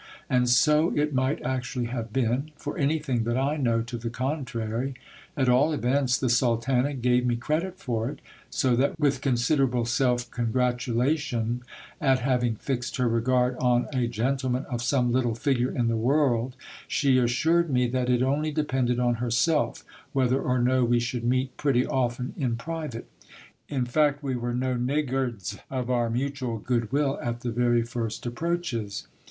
And so it might actually have been, for anything that I know to the contrary ; at all events, the sultana gave me credit for it, so that with considerable self congratulation, at having fixed her regard on a gentleman of some little figure in the world, she assured me that it only depended on herself, whether or no we should meet pretty often in private. In fact, we were no niggards of our mutual good will at the very first approaches.